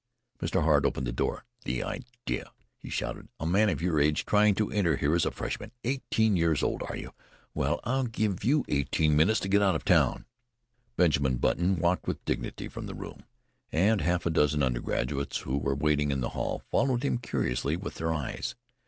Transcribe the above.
Mr. Hart opened the door. "The idea!" he shouted. "A man of your age trying to enter here as a freshman. Eighteen years old, are you? Well, I'll give you eighteen minutes to get out of town." Benjamin Button walked with dignity from the room, and half a dozen undergraduates, who were waiting in the hall, followed him curiously with their eyes.